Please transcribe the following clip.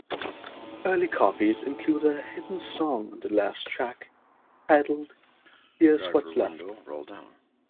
Early copies included a hidden song on the last track, titled Here's What's Left.